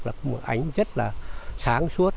là một ảnh rất là sáng suốt